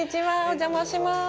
お邪魔します。